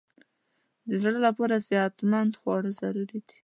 د زړه لپاره صحتمند خواړه ضروري دي.